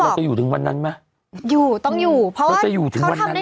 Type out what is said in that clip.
แล้วจะอยู่ถึงวันนั้นไหม